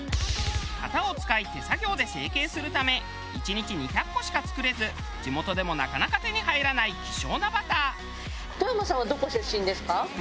型を使い手作業で成型するため１日２００個しか作れず地元でもなかなか手に入らない希少なバター。